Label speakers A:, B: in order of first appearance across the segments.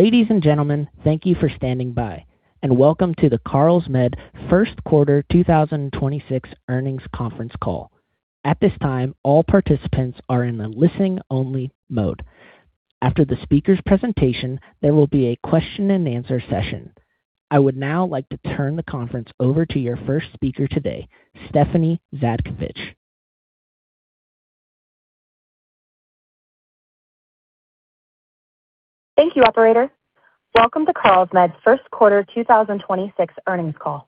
A: Ladies and gentlemen, thank you for standing by and welcome to the Carlsmed First Quarter 2026 Earnings Conference Call. At this time, all participants are in a listening only mode. After the speaker's presentation, there will be a question and answer session. I would now like to turn the conference over to your first speaker today, Stephanie Zhadkevich.
B: Thank you, operator. Welcome to Carlsmed's First Quarter 2026 earnings call.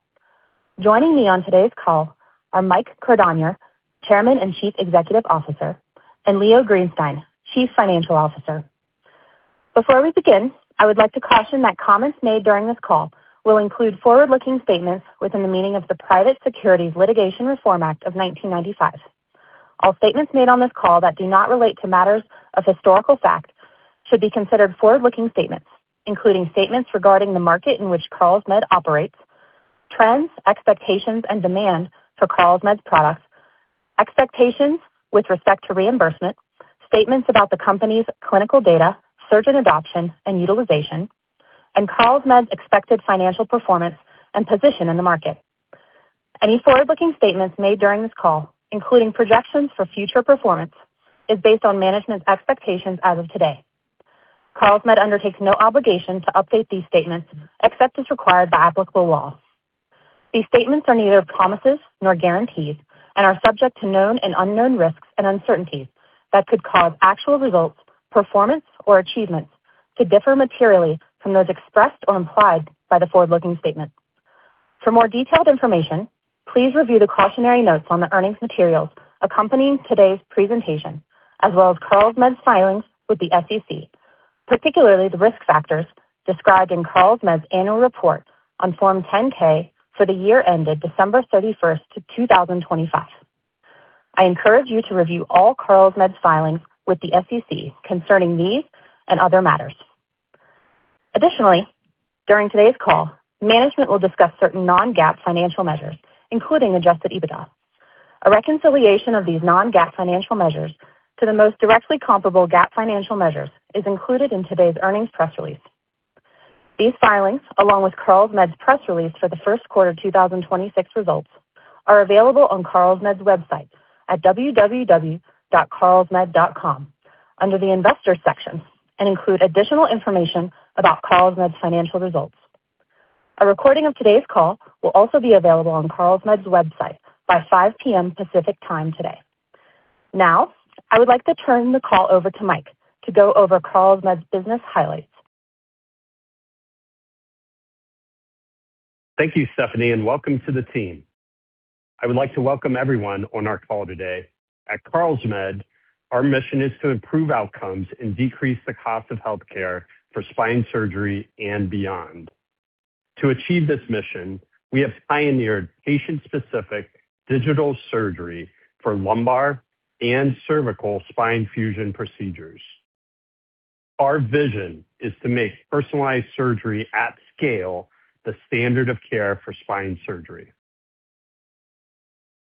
B: Joining me on today's call are Mike Cordonnier, Chairman and Chief Executive Officer, and Leo Greenstein, Chief Financial Officer. Before we begin, I would like to caution that comments made during this call will include forward-looking statements within the meaning of the Private Securities Litigation Reform Act of 1995. All statements made on this call that do not relate to matters of historical fact should be considered forward-looking statements, including statements regarding the market in which Carlsmed operates, trends, expectations and demand for Carlsmed's products, expectations with respect to reimbursement, statements about the company's clinical data, surgeon adoption and utilization, and Carlsmed's expected financial performance and position in the market. Any forward-looking statements made during this call, including projections for future performance, is based on management's expectations as of today. Carlsmed undertakes no obligation to update these statements except as required by applicable law. These statements are neither promises nor guarantees and are subject to known and unknown risks and uncertainties that could cause actual results, performance or achievements to differ materially from those expressed or implied by the forward-looking statement. For more detailed information, please review the cautionary notes on the earnings materials accompanying today's presentation as well as Carlsmed's filings with the SEC, particularly the risk factors described in Carlsmed's annual report on Form 10-K for the year ended December 31st, 2025. I encourage you to review all Carlsmed's filings with the SEC concerning these and other matters. Additionally, during today's call, management will discuss certain non-GAAP financial measures, including adjusted EBITDA. A reconciliation of these non-GAAP financial measures to the most directly comparable GAAP financial measures is included in today's earnings press release. These filings, along with Carlsmed's press release for the first quarter 2026 results, are available on Carlsmed's website at www.carlsmed.com under the Investors section and include additional information about Carlsmed's financial results. A recording of today's call will also be available on Carlsmed's website by 5:00PM. Pacific time today. Now, I would like to turn the call over to Mike to go over Carlsmed's business highlights.
C: Thank you, Stephanie, and welcome to the team. I would like to welcome everyone on our call today. At Carlsmed, our mission is to improve outcomes and decrease the cost of healthcare for spine surgery and beyond. To achieve this mission, we have pioneered patient-specific digital surgery for lumbar and cervical spine fusion procedures. Our vision is to make personalized surgery at scale the standard of care for spine surgery.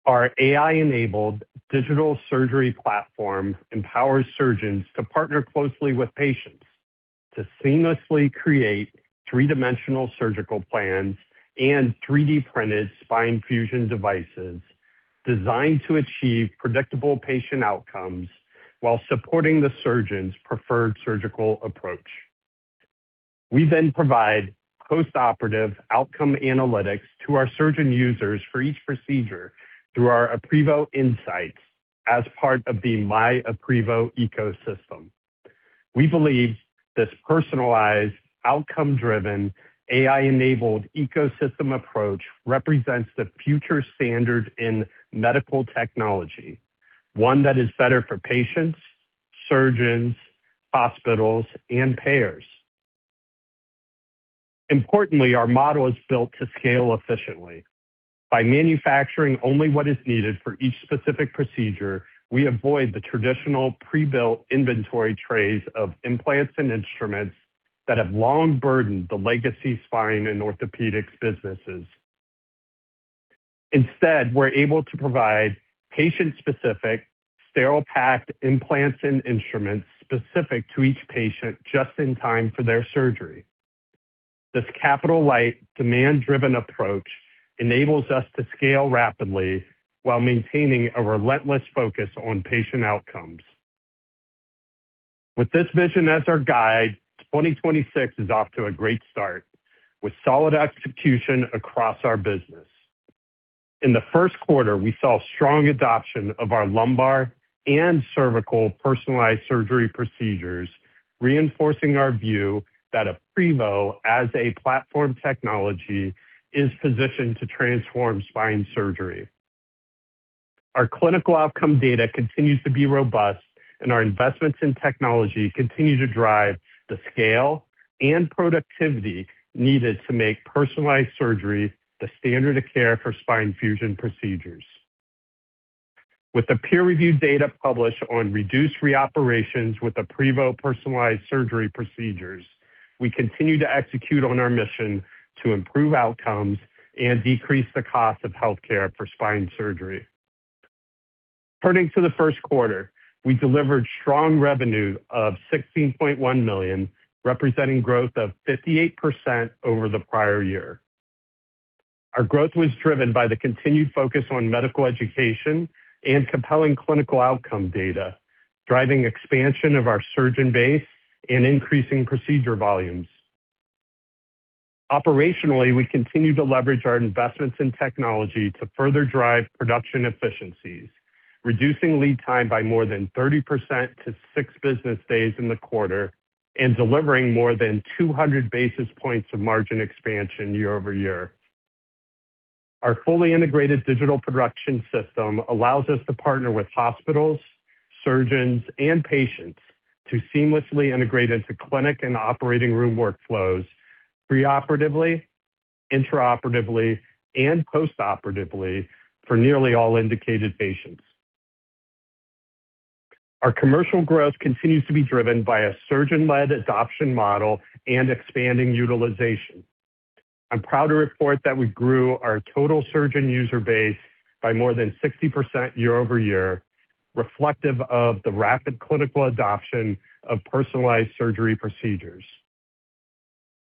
C: Our AI-enabled digital surgery platform empowers surgeons to partner closely with patients to seamlessly create three-dimensional surgical plans and 3D printed spine fusion devices designed to achieve predictable patient outcomes while supporting the surgeon's preferred surgical approach. We then provide postoperative outcome analytics to our surgeon users for each procedure through our aprevo intelligence as part of the myaprevo ecosystem. We believe this personalized, outcome-driven, AI-enabled ecosystem approach represents the future standard in medical technology, one that is better for patients, surgeons, hospitals, and payers. Importantly, our model is built to scale efficiently. By manufacturing only what is needed for each specific procedure, we avoid the traditional pre-built inventory trays of implants and instruments that have long burdened the legacy spine and orthopedics businesses. Instead, we're able to provide patient-specific sterile packed implants and instruments specific to each patient just in time for their surgery. This capital-light, demand-driven approach enables us to scale rapidly while maintaining a relentless focus on patient outcomes. With this vision as our guide, 2026 is off to a great start with solid execution across our business. In the first quarter, we saw strong adoption of our lumbar and cervical personalized surgery procedures, reinforcing our view that aprevo as a platform technology is positioned to transform spine surgery. Our clinical outcome data continues to be robust, and our investments in technology continue to drive the scale and productivity needed to make personalized surgery the standard of care for spine fusion procedures. With the peer-reviewed data published on reduced reoperations with aprevo personalized surgery procedures, we continue to execute on our mission to improve outcomes and decrease the cost of healthcare for spine surgery. Turning to the first quarter, we delivered strong revenue of $16.1 million, representing growth of 58% over the prior year. Our growth was driven by the continued focus on medical education and compelling clinical outcome data, driving expansion of our surgeon base and increasing procedure volumes. Operationally, we continue to leverage our investments in technology to further drive production efficiencies, reducing lead time by more than 30% to six business days in the quarter and delivering more than 200 basis points of margin expansion year-over-year. Our fully integrated digital production system allows us to partner with hospitals, surgeons, and patients to seamlessly integrate into clinic and operating room workflows preoperatively, intraoperatively, and postoperatively for nearly all indicated patients. Our commercial growth continues to be driven by a surgeon-led adoption model and expanding utilization. I'm proud to report that we grew our total surgeon user base by more than 60% year-over-year, reflective of the rapid clinical adoption of personalized surgery procedures.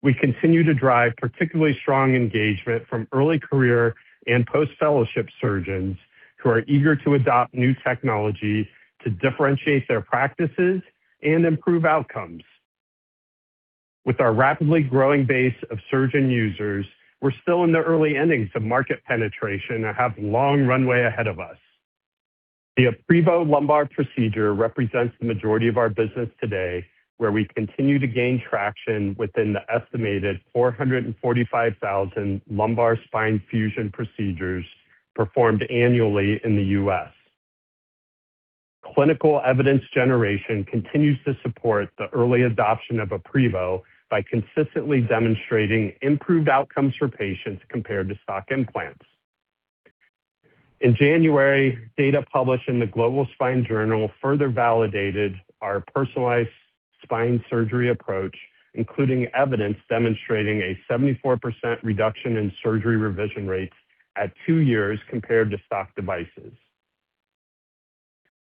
C: We continue to drive particularly strong engagement from early career and post-fellowship surgeons who are eager to adopt new technology to differentiate their practices and improve outcomes. With our rapidly growing base of surgeon users, we're still in the early innings of market penetration and have long runway ahead of us. The aprevo lumbar procedure represents the majority of our business today, where we continue to gain traction within the estimated 445,000 lumbar spine fusion procedures performed annually in the U.S. Clinical evidence generation continues to support the early adoption of aprevo by consistently demonstrating improved outcomes for patients compared to stock implants. In January, data published in the Global Spine Journal further validated our personalized spine surgery approach, including evidence demonstrating a 74% reduction in surgery revision rates at two years compared to stock devices.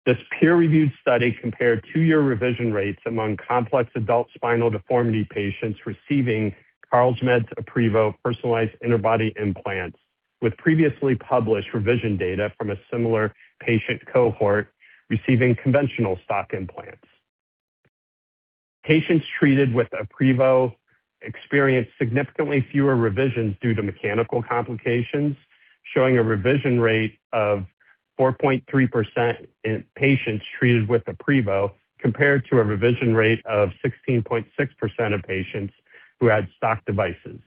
C: This peer-reviewed study compared two-year revision rates among complex adult spinal deformity patients receiving Carlsmed's aprevo personalized interbody implants with previously published revision data from a similar patient cohort receiving conventional stock implants. Patients treated with aprevo experienced significantly fewer revisions due to mechanical complications, showing a revision rate of 4.3% in patients treated with aprevo compared to a revision rate of 16.6% of patients who had stock devices.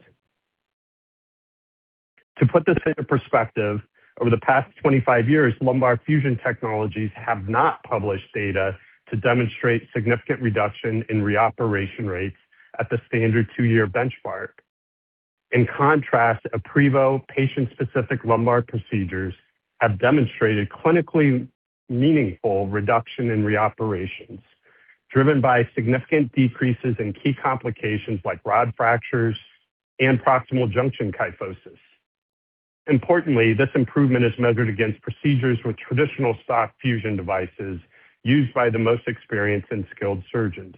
C: To put this into perspective, over the past 25 years, lumbar fusion technologies have not published data to demonstrate significant reduction in reoperation rates at the standard two-year benchmark. In contrast, aprevo patient-specific lumbar procedures have demonstrated clinically meaningful reduction in reoperations, driven by significant decreases in key complications like rod fractures and proximal junctional kyphosis. Importantly, this improvement is measured against procedures with traditional stock fusion devices used by the most experienced and skilled surgeons.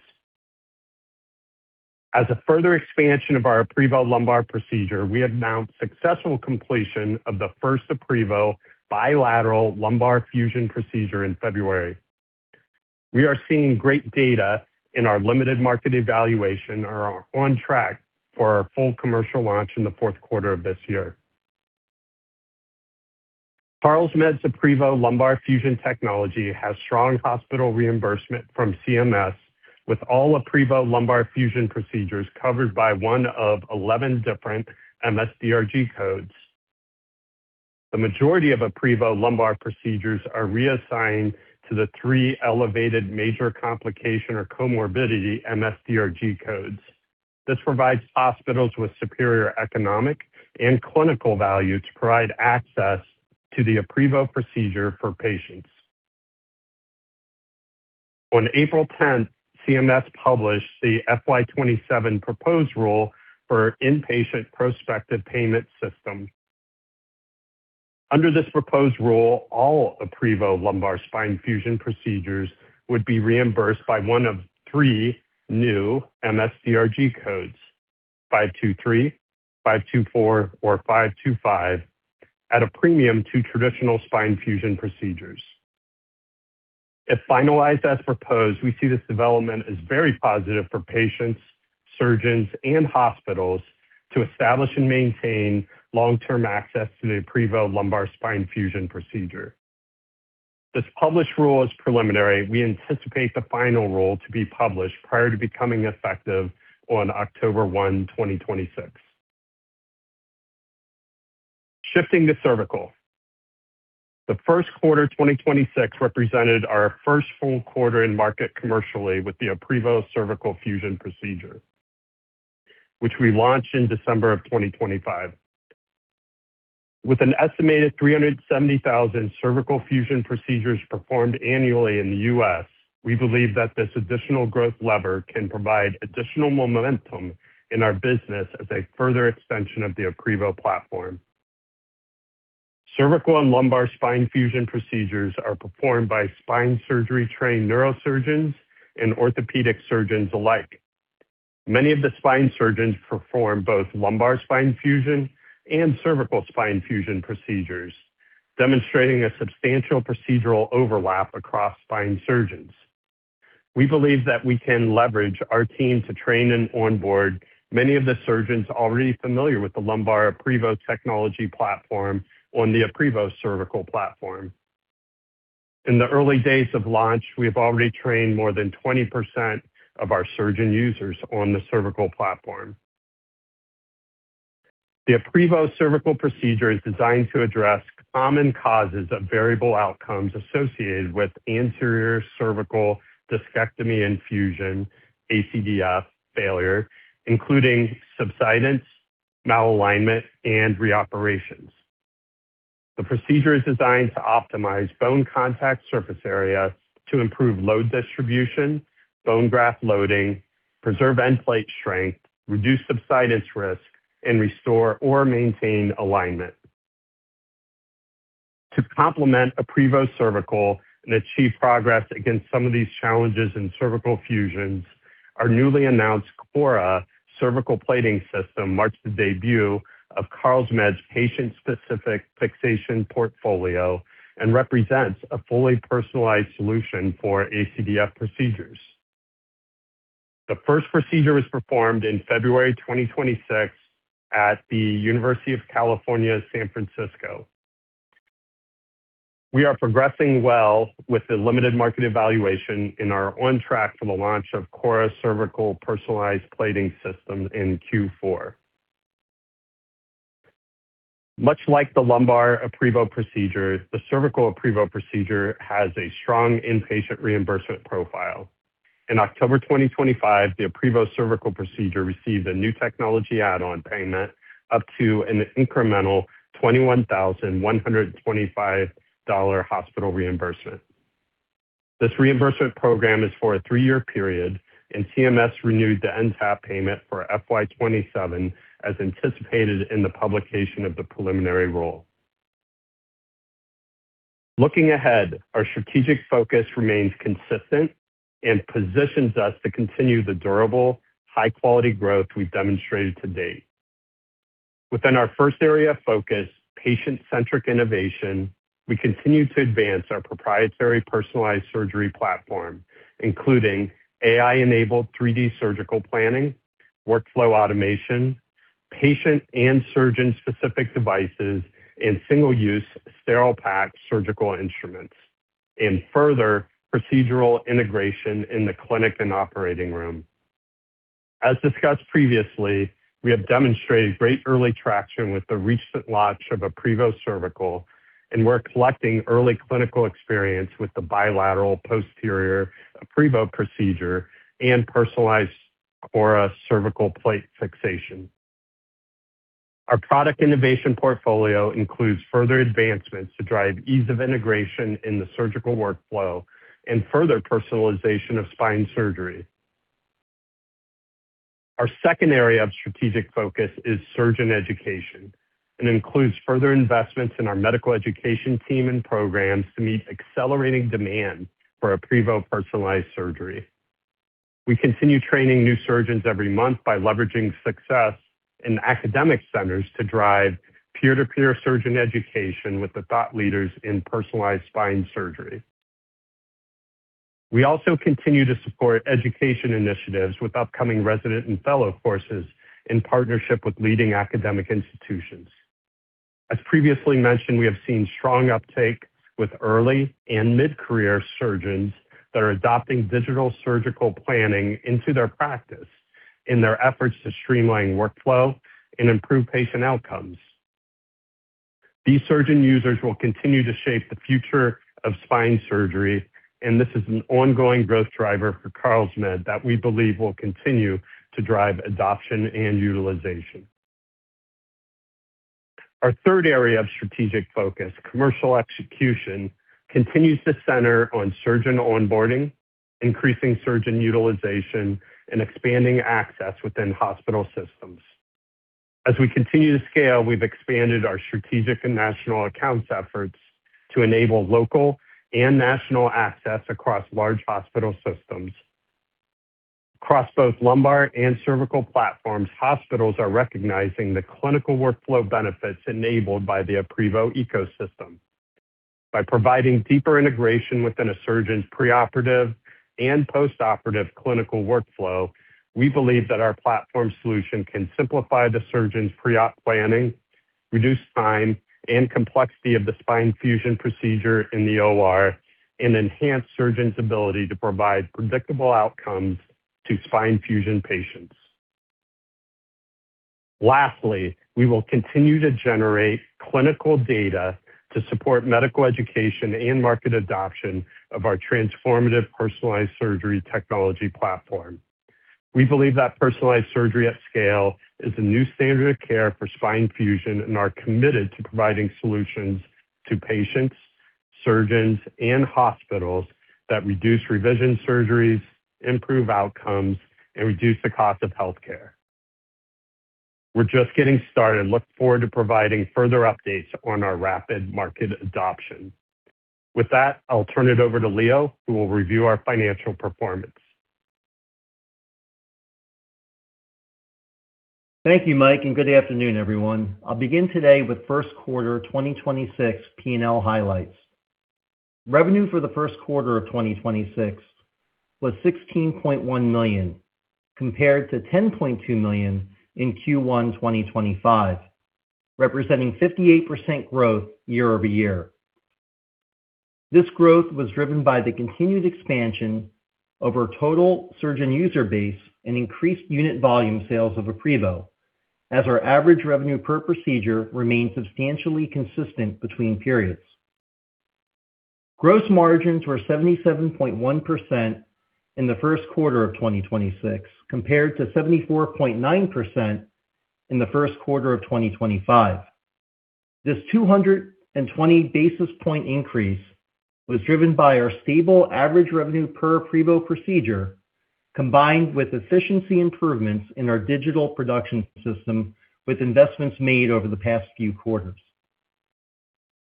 C: As a further expansion of our aprevo lumbar procedure, we announced successful completion of the 1st aprevo bilateral lumbar fusion procedure in February. We are seeing great data in our limited market evaluation and are on track for our full commercial launch in the fourth quarter of this year. Carlsmed's aprevo lumbar fusion technology has strong hospital reimbursement from CMS, with all aprevo lumbar fusion procedures covered by one of 11 different MS-DRG codes. The majority of aprevo lumbar procedures are reassigned to the three elevated major complication or comorbidity MS-DRG codes. This provides hospitals with superior economic and clinical value to provide access to the aprevo procedure for patients. On April 10th, CMS published the FY 2027 proposed rule for inpatient prospective payment system. Under this proposed rule, all aprevo lumbar spine fusion procedures would be reimbursed by one of three new MS-DRG codes, 523, 524, or 525, at a premium to traditional spine fusion procedures. If finalized as proposed, we see this development as very positive for patients, surgeons, and hospitals to establish and maintain long-term access to the aprevo lumbar spine fusion procedure. This published rule is preliminary. We anticipate the final rule to be published prior to becoming effective on October 1, 2026. Shifting to cervical. The first quarter 2026 represented our first full quarter in market commercially with the aprevo cervical fusion procedure, which we launched in December of 2025. With an estimated 370,000 cervical fusion procedures performed annually in the U.S., we believe that this additional growth lever can provide additional momentum in our business as a further extension of the aprevo platform. Cervical and lumbar spine fusion procedures are performed by spine surgery-trained neurosurgeons and orthopedic surgeons alike. Many of the spine surgeons perform both lumbar spine fusion and cervical spine fusion procedures, demonstrating a substantial procedural overlap across spine surgeons. We believe that we can leverage our team to train and onboard many of the surgeons already familiar with the lumbar aprevo technology platform on the aprevo cervical platform. In the early days of launch, we have already trained more than 20% of our surgeon users on the cervical platform. The aprevo cervical procedure is designed to address common causes of variable outcomes associated with anterior cervical discectomy and fusion, ACDF failure, including subsidence, malalignment, and reoperations. The procedure is designed to optimize bone contact surface area to improve load distribution, bone graft loading, preserve end plate strength, reduce subsidence risk, and restore or maintain alignment. To complement aprevo cervical and achieve progress against some of these challenges in cervical fusions, our newly announced CORRA cervical plating system marks the debut of Carlsmed's patient-specific fixation portfolio and represents a fully personalized solution for ACDF procedures. The first procedure was performed in February 2026 at the University of California, San Francisco. We are progressing well with the limited market evaluation and are on track for the launch of CORRA cervical personalized plating system in Q4. Much like the lumbar aprevo procedure, the cervical aprevo procedure has a strong inpatient reimbursement profile. In October 2025, the aprevo cervical procedure received a new technology add-on payment up to an incremental $21,125 hospital reimbursement. This reimbursement program is for a three-year period, and CMS renewed the NTAP payment for FY 2027 as anticipated in the publication of the preliminary rule. Looking ahead, our strategic focus remains consistent and positions us to continue the durable, high-quality growth we've demonstrated to date. Within our first area of focus, patient-centric innovation, we continue to advance our proprietary personalized surgery platform, including AI-enabled 3D surgical planning, workflow automation, patient and surgeon-specific devices, and single-use sterile path surgical instruments, and further procedural integration in the clinic and operating room. As discussed previously, we have demonstrated great early traction with the recent launch of aprevo cervical, and we're collecting early clinical experience with the bilateral posterior aprevo procedure and personalized CORRA cervical plate fixation. Our product innovation portfolio includes further advancements to drive ease of integration in the surgical workflow and further personalization of spine surgery. Our second area of strategic focus is surgeon education and includes further investments in our medical education team and programs to meet accelerating demand for aprevo personalized surgery. We continue training new surgeons every month by leveraging success in academic centers to drive peer-to-peer surgeon education with the thought leaders in personalized spine surgery. We also continue to support education initiatives with upcoming resident and fellow courses in partnership with leading academic institutions. As previously mentioned, we have seen strong uptake with early and mid-career surgeons that are adopting digital surgical planning into their practice in their efforts to streamline workflow and improve patient outcomes. These surgeon users will continue to shape the future of spine surgery, and this is an ongoing growth driver for Carlsmed that we believe will continue to drive adoption and utilization. Our 3rd area of strategic focus, commercial execution, continues to center on surgeon onboarding, increasing surgeon utilization, and expanding access within hospital systems. As we continue to scale, we've expanded our strategic and national accounts efforts to enable local and national access across large hospital systems. Across both lumbar and cervical platforms, hospitals are recognizing the clinical workflow benefits enabled by the aprevo ecosystem. By providing deeper integration within a surgeon's preoperative and postoperative clinical workflow, we believe that our platform solution can simplify the surgeon's pre-op planning, reduce time and complexity of the spine fusion procedure in the OR, and enhance surgeons' ability to provide predictable outcomes to spine fusion patients. Lastly, we will continue to generate clinical data to support medical education and market adoption of our transformative personalized surgery technology platform. We believe that personalized surgery at scale is a new standard of care for spine fusion and are committed to providing solutions to patients, surgeons, and hospitals that reduce revision surgeries, improve outcomes, and reduce the cost of healthcare. We're just getting started and look forward to providing further updates on our rapid market adoption. With that, I'll turn it over to Leo, who will review our financial performance.
D: Thank you, Mike, and good afternoon, everyone. I'll begin today with first quarter 2026 P&L highlights. Revenue for the first quarter of 2026 was $16.1 million, compared to $10.2 million in Q1 2025, representing 58% growth year-over-year. This growth was driven by the continued expansion of our total surgeon user base and increased unit volume sales of aprevo, as our average revenue per procedure remained substantially consistent between periods. Gross margins were 77.1% in the first quarter of 2026, compared to 74.9% in the first quarter of 2025. This 220 basis point increase was driven by our stable average revenue per aprevo procedure combined with efficiency improvements in our digital production system with investments made over the past few quarters.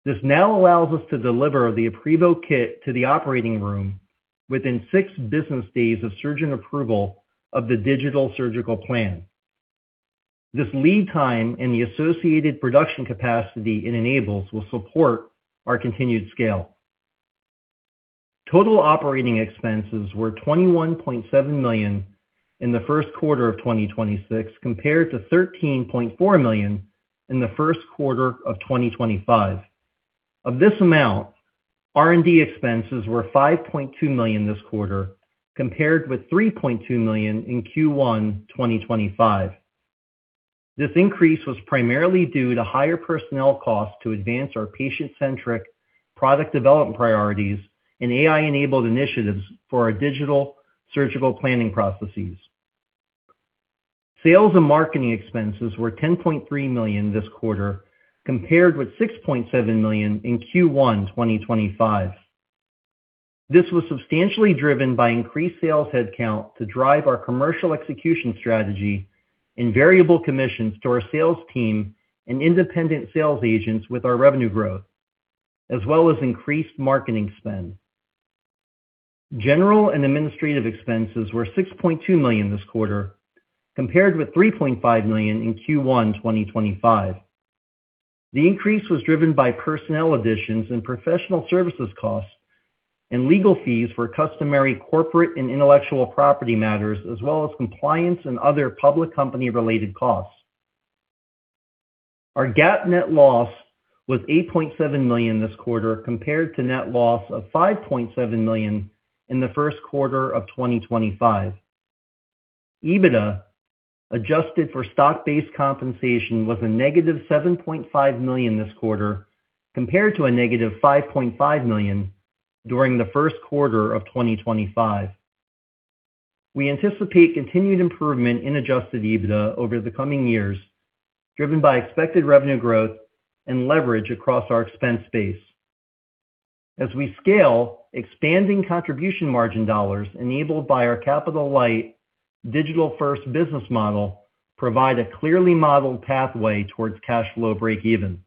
D: This now allows us to deliver the aprevo kit to the operating room within six business days of surgeon approval of the digital surgical plan. This lead time and the associated production capacity it enables will support our continued scale. Total operating expenses were $21.7 million in the first quarter of 2026, compared to $13.4 million in the first quarter of 2025. Of this amount, R&D expenses were $5.2 million this quarter, compared with $3.2 million in Q1 2025. This increase was primarily due to higher personnel costs to advance our patient-centric product development priorities and AI-enabled initiatives for our digital surgical planning processes. Sales and marketing expenses were $10.3 million this quarter, compared with $6.7 million in Q1 2025. This was substantially driven by increased sales headcount to drive our commercial execution strategy and variable commissions to our sales team and independent sales agents with our revenue growth, as well as increased marketing spend. General and administrative expenses were $6.2 million this quarter, compared with $3.5 million in Q1 2025. The increase was driven by personnel additions and professional services costs and legal fees for customary corporate and intellectual property matters, as well as compliance and other public company-related costs. Our GAAP net loss was $8.7 million this quarter, compared to net loss of $5.7 million in the first quarter of 2025. EBITDA adjusted for stock-based compensation was a -$7.5 million this quarter, compared to a -$5.5 million during the first quarter of 2025. We anticipate continued improvement in adjusted EBITDA over the coming years, driven by expected revenue growth and leverage across our expense base. As we scale, expanding contribution margin dollars enabled by our capital-light, digital-first business model provide a clearly modeled pathway towards cash flow breakeven.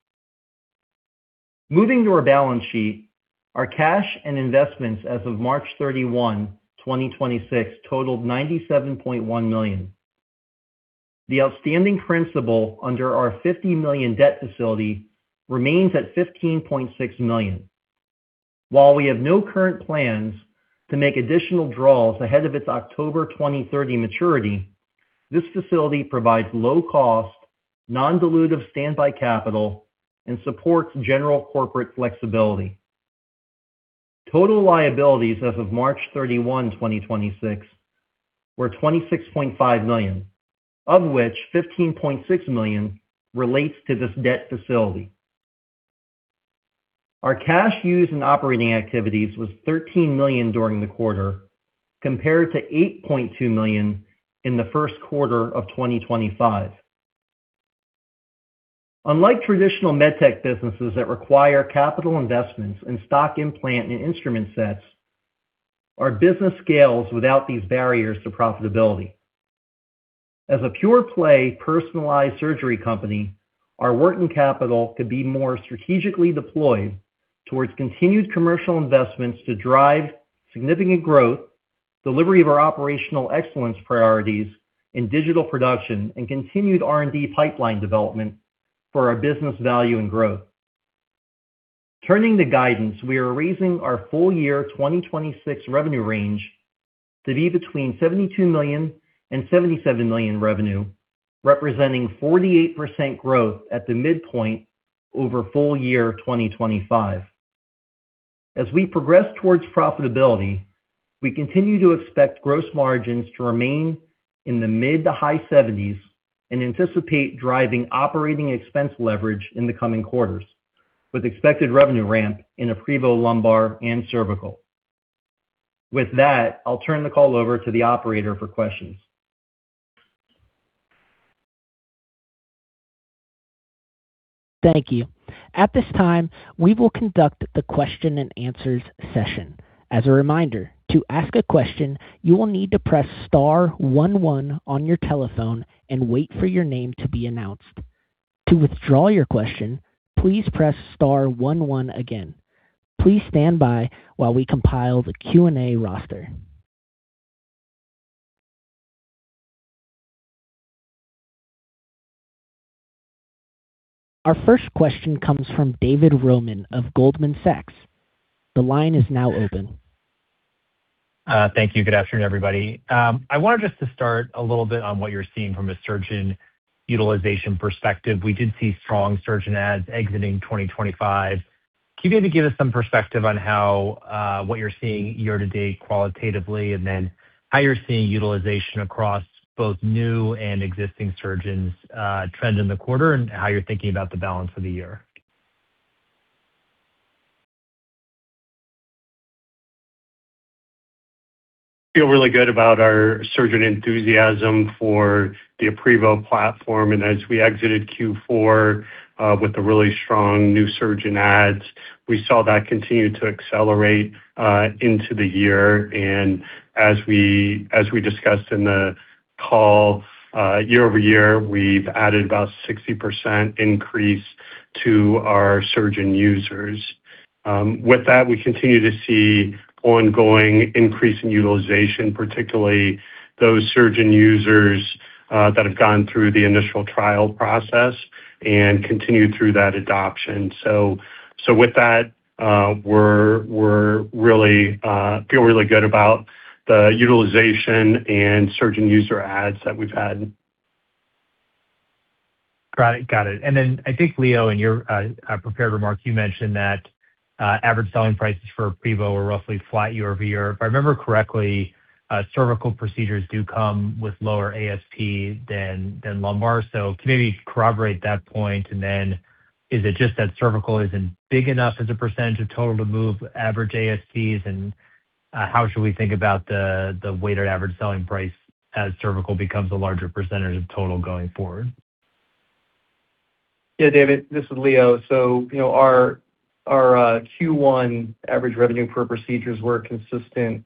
D: Moving to our balance sheet, our cash and investments as of March 31, 2026 totaled $97.1 million. The outstanding principal under our $50 million debt facility remains at $15.6 million. While we have no current plans to make additional draws ahead of its October 2030 maturity, this facility provides low-cost, non-dilutive standby capital and supports general corporate flexibility. Total liabilities as of March 31, 2026 were $26.5 million, of which $15.6 million relates to this debt facility. Our cash used in operating activities was $13 million during the quarter, compared to $8.2 million in the first quarter of 2025. Unlike traditional med tech businesses that require capital investments in stock implant and instrument sets, our business scales without these barriers to profitability. As a pure-play personalized surgery company, our working capital could be more strategically deployed towards continued commercial investments to drive significant growth, delivery of our operational excellence priorities in digital production, and continued R&D pipeline development for our business value and growth. Turning to guidance, we are raising our full year 2026 revenue range to be between $72 million and $77 million revenue, representing 48% growth at the midpoint over full year 2025. As we progress towards profitability, we continue to expect gross margins to remain in the mid to high seventies and anticipate driving operating expense leverage in the coming quarters with expected revenue ramp in aprevo lumbar and aprevo cervical. With that, I'll turn the call over to the operator for questions.
A: Thank you. At this time, we will conduct the question and answers session. As a reminder, to ask a question, you will need to press star one one on your telephone and wait for your name to be announced. To withdraw your question, please press star one one again. Please stand by while we compile the Q&A roster. Our first question comes from David Roman of Goldman Sachs. The line is now open.
E: Thank you. Good afternoon, everybody. I wanted just to start a little bit on what you're seeing from a surgeon utilization perspective. We did see strong surgeon ads exiting 2025. Can you maybe give us some perspective on how what you're seeing year-to-date qualitatively? And then how you're seeing utilization across both new and existing surgeons trend in the quarter, and how you're thinking about the balance of the year?
C: Feel really good about our surgeon enthusiasm for the aprevo platform. As we exited Q4, with the really strong new surgeon adds, we saw that continue to accelerate into the year. As we, as we discussed in the call, year-over-year, we've added about 60% increase to our surgeon users. With that, we continue to see ongoing increase in utilization, particularly those surgeon users that have gone through the initial trial process and continued through that adoption. With that, we're really feel really good about the utilization and surgeon user adds that we've had.
E: Got it. Got it. Then I think, Leo, in your prepared remark, you mentioned that average selling prices for aprevo are roughly flat year-over-year. If I remember correctly, cervical procedures do come with lower ASP than lumbar. Can you maybe corroborate that point? Then is it just that cervical isn't big enough as a percentage of total to move average ASPs? How should we think about the weighted average selling price as cervical becomes a larger percentage of total going forward?
D: Yeah, David, this is Leo. You know, our Q1 average revenue per procedures were consistent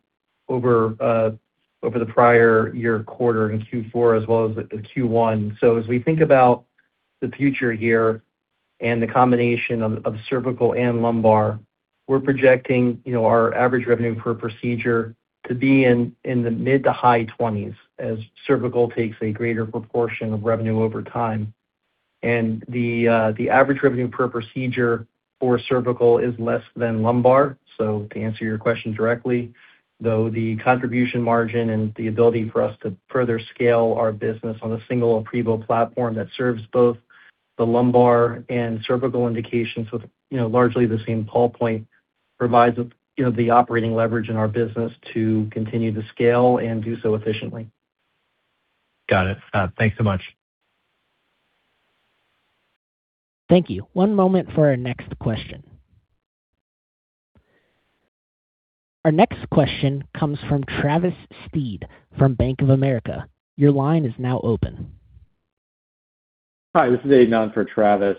D: over the prior year quarter in Q4 as well as the Q1. As we think about the future here and the combination of cervical and lumbar, we're projecting, you know, our average revenue per procedure to be in the mid to high 20s as cervical takes a greater proportion of revenue over time. The average revenue per procedure for cervical is less than lumbar. To answer your question directly, though, the contribution margin and the ability for us to further scale our business on a single aprevo platform that serves both the lumbar and cervical indications with, you know, largely the same pull point provides, you know, the operating leverage in our business to continue to scale and do so efficiently.
E: Got it. Thanks so much.
A: Thank you. One moment for our next question. Our next question comes from Travis Steed from Bank of America. Your line is now open.
F: Hi, this is Aidan for Travis.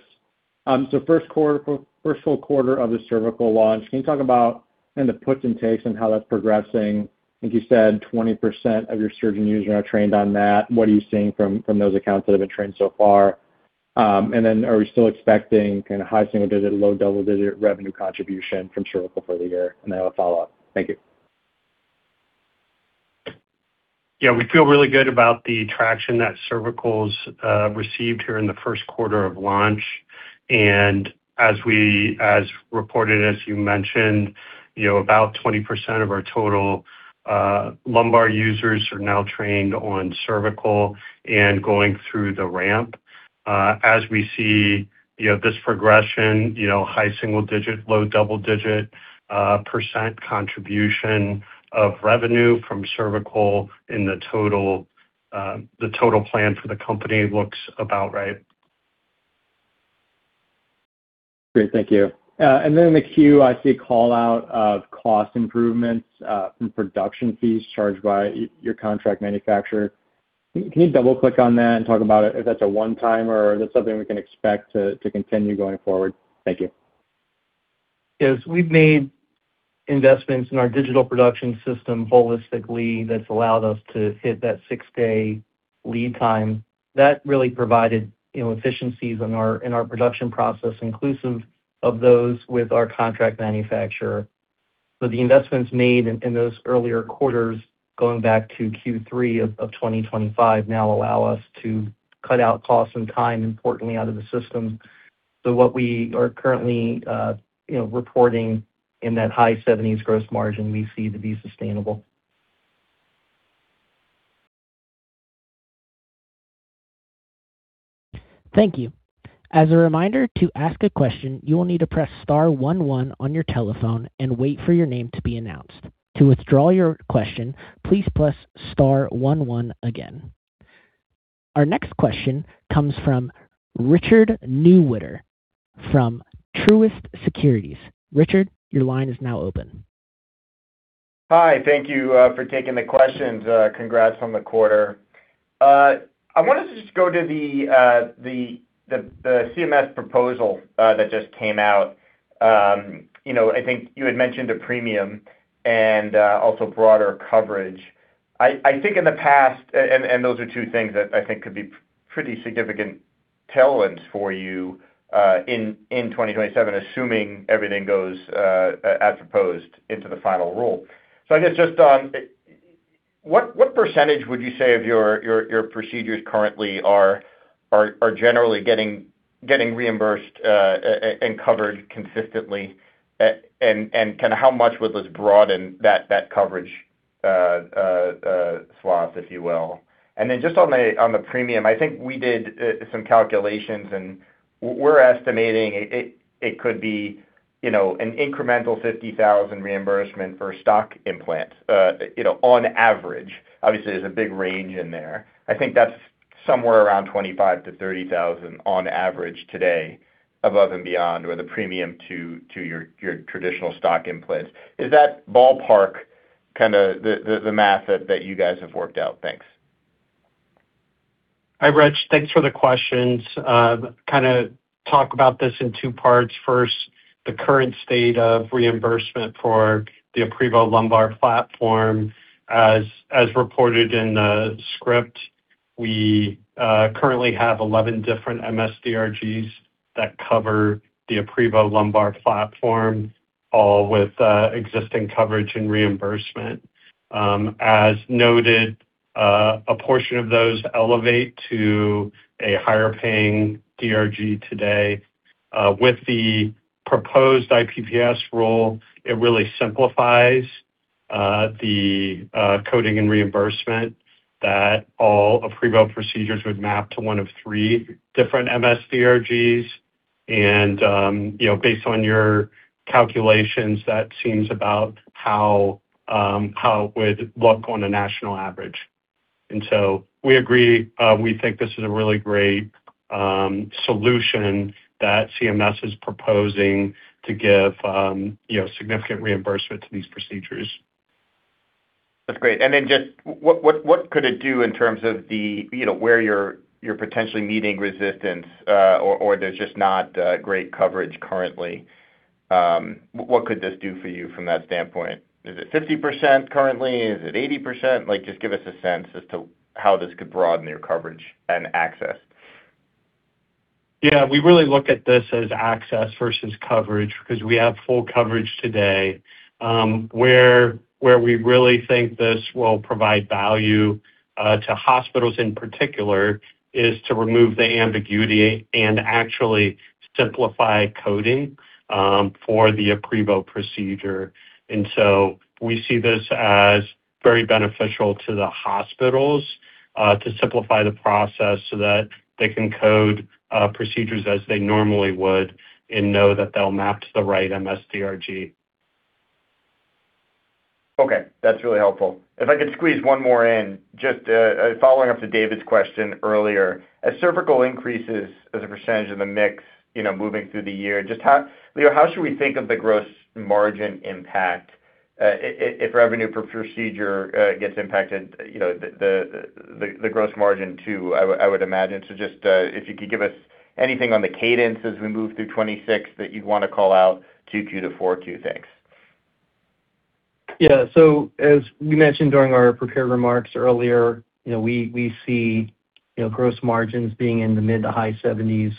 F: First full quarter of the cervical launch. Can you talk about kind of the puts and takes on how that's progressing? I think you said 20% of your surgeon users are now trained on that. What are you seeing from those accounts that have been trained so far? Are we still expecting kind of high single digit, low double digit revenue contribution from cervical for the year? I have a follow-up. Thank you.
C: Yeah. We feel really good about the traction that cervicals received here in the first quarter of launch. As reported, as you mentioned, about 20% of our total lumbar users are now trained on cervical and going through the ramp. As we see, this progression, high single digit, low double digit percent contribution of revenue from cervical in the total, the total plan for the company looks about right.
F: Great. Thank you. Then in the Q, I see a call-out of cost improvements from production fees charged by your contract manufacturer. Can you double-click on that and talk about if that's a one-time or is that something we can expect to continue going forward? Thank you.
D: Yes. We've made investments in our digital production system holistically that's allowed us to hit that six-day lead time. That really provided, you know, efficiencies in our production process, inclusive of those with our contract manufacturer. The investments made in those earlier quarters, going back to Q3 of 2025, now allow us to cut out costs and time importantly out of the system. What we are currently, you know, reporting in that high 70s gross margin, we see to be sustainable.
A: Thank you. As a reminder to ask a question, you will need to press star one one on your telephone and wait for your name to be announced. To withdraw your question, please press star one one again. Our next question comes from Richard Newitter from Truist Securities. Richard, your line is now open.
G: Hi, thank you for taking the questions. Congrats on the quarter. I wanted to just go to the CMS proposal that just came out. You know, I think you had mentioned a premium and also broader coverage. I think in the past, and those are two things that I think could be pretty significant tailwinds for you in 2027, assuming everything goes as proposed into the final rule. I guess just on what percentage would you say of your procedures currently are generally getting reimbursed and covered consistently? Kinda how much would this broaden that coverage swath, if you will? Just on the, on the premium, I think we did some calculations, and we're estimating it could be, you know, an incremental $50,000 reimbursement for stock implants, you know, on average. Obviously, there's a big range in there. I think that's somewhere around $25,000-$30,000 on average today above and beyond or the premium to your traditional stock implants. Is that ballpark kinda the math that you guys have worked out? Thanks.
C: Hi, Rich. Thanks for the questions. kinda talk about this in two parts. First, the current state of reimbursement for the aprevo lumbar platform. As reported in the script, we currently have 11 different MS-DRGs that cover the aprevo lumbar platform, all with existing coverage and reimbursement. As noted, a portion of those elevate to a higher paying DRG today. With the proposed IPPS rule, it really simplifies the coding and reimbursement that all aprevo procedures would map to one of three different MS-DRGs. Based on your calculations, that seems about how how it would look on a national average. We agree. We think this is a really great solution that CMS is proposing to give, you know, significant reimbursement to these procedures.
G: That's great. Then just what could it do in terms of the, you know, where you're potentially meeting resistance, or there's just not great coverage currently? What could this do for you from that standpoint? Is it 50% currently? Is it 80%? Like, just give us a sense as to how this could broaden your coverage and access.
C: Yeah, we really look at this as access versus coverage because we have full coverage today. Where we really think this will provide value to hospitals in particular is to remove the ambiguity and actually simplify coding for the aprevo procedure. We see this as very beneficial to the hospitals to simplify the process so that they can code procedures as they normally would and know that they'll map to the right MS-DRG.
G: Okay, that's really helpful. If I could squeeze one more in, just following up to David's question earlier. As cervical increases as a percentage of the mix, you know, moving through the year, just how Leo, how should we think of the gross margin impact, if revenue per procedure gets impacted, you know, the gross margin too, I would imagine? Just, if you could give us anything on the cadence as we move through 2026 that you'd wanna call out Q2 to 4Q? Thanks.
D: As we mentioned during our prepared remarks earlier, you know, we see, you know, gross margins being in the mid- to high 70s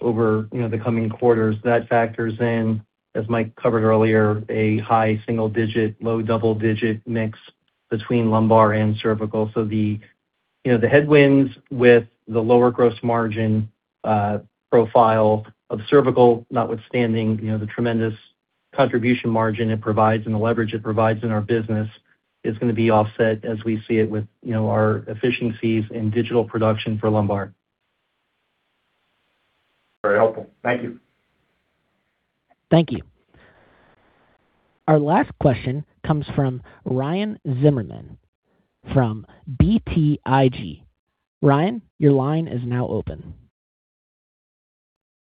D: over, you know, the coming quarters. That factors in, as Mike covered earlier, a high single-digit, low double-digit mix between lumbar and cervical. The, you know, the headwinds with the lower gross margin profile of cervical, notwithstanding, you know, the tremendous contribution margin it provides and the leverage it provides in our business, is gonna be offset as we see it with, you know, our efficiencies in digital production for lumbar.
G: Very helpful. Thank you.
A: Thank you. Our last question comes from Ryan Zimmerman from BTIG. Ryan, your line is now open.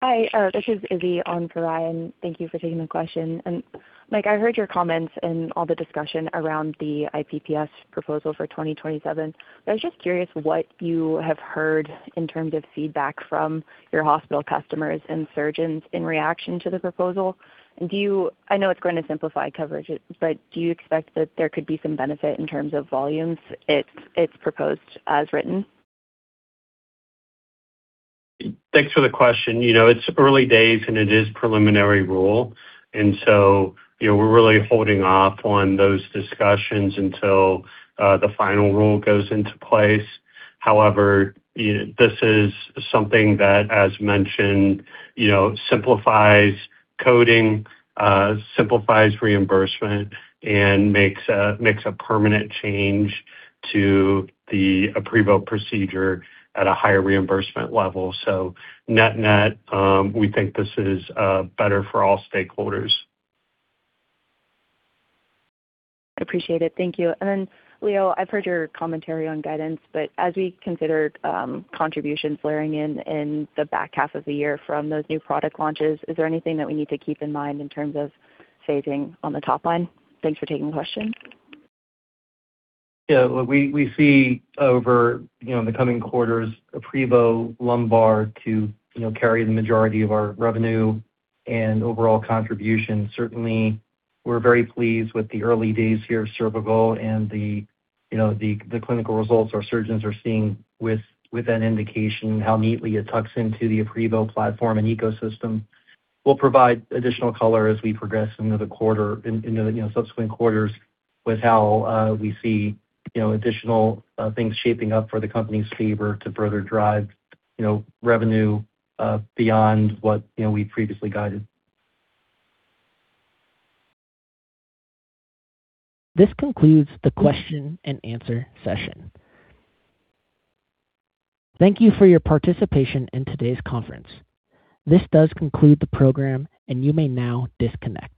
H: Hi, this is Izzy on for Ryan. Thank you for taking the question. Mike, I heard your comments and all the discussion around the IPPS proposal for 2027. I was just curious what you have heard in terms of feedback from your hospital customers and surgeons in reaction to the proposal. Do you, I know it's going to simplify coverage, but do you expect that there could be some benefit in terms of volumes if it's proposed as written?
C: Thanks for the question. You know, it's early days, and it is preliminary rule. You know, we're really holding off on those discussions until the final rule goes into place. However, this is something that, as mentioned, you know, simplifies coding, simplifies reimbursement, and makes a permanent change to the aprevo procedure at a higher reimbursement level. Net-net, we think this is better for all stakeholders.
H: Appreciate it. Thank you. Leo, I've heard your commentary on guidance, as we consider contributions layering in in the back half of the year from those new product launches, is there anything that we need to keep in mind in terms of phasing on the top line? Thanks for taking the question.
D: We see over, you know, in the coming quarters aprevo lumbar to, you know, carry the majority of our revenue and overall contribution. Certainly, we're very pleased with the early days here of aprevo cervical and the, you know, the clinical results our surgeons are seeing with that indication, how neatly it tucks into the aprevo platform and ecosystem. We'll provide additional color as we progress into the quarter and, you know, subsequent quarters with how we see, you know, additional things shaping up for the company's favor to further drive, you know, revenue beyond what, you know, we previously guided.
A: This concludes the question and answer session. Thank you for your participation in today's conference. This does conclude the program, and you may now disconnect.